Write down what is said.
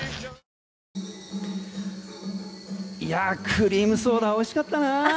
クリームソーダおいしかったな！